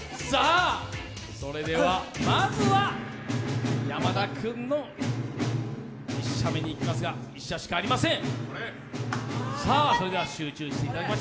それではまずは山田君の１射目にいきますが、１射目しかありません。